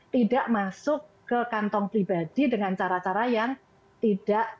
tidak masuk ke kantong pribadi dengan cara cara yang tidak